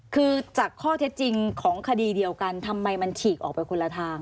คือจากข้อเท็จจริงของคดีเดียวกันทำไมมันฉีกออกไปคนละทาง